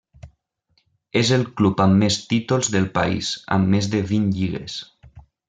És el club amb més títols del país, amb més de vint lligues.